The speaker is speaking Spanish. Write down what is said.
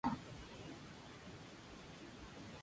De otro lado, se distinguen cultivos permanentes y anuales.